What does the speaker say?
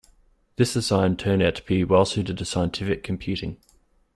This design turned out to be well suited to scientific computing.